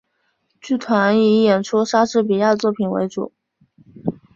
剧团以演出莎士比亚作品为主。